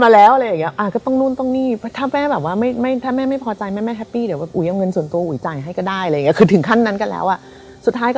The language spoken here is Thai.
เสร็จแล้วก็ลงมาแล้วก็